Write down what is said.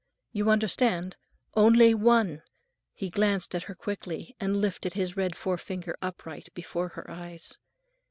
You understand? Only one!" He glanced at her quickly and lifted his red forefinger upright before her eyes.